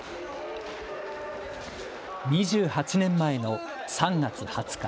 ２８年前の３月２０日。